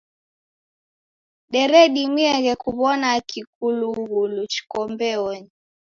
Deredimieghe kuw'ona kikulughulu chiko mbeonyi.